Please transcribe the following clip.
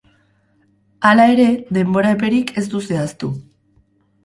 Hala ere, denbora eperik ez du zehaztu.